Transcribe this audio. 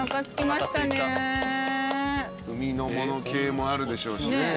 海のもの系もあるでしょうしね。